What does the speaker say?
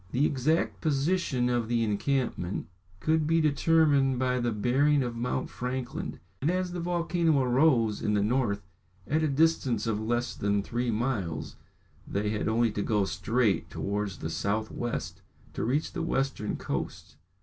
The exact position of the encampment could be determined by the bearing of Mount Franklin, and as the volcano arose in the north at a distance of less than three miles, they had only to go straight towards the south west to reach the western coast.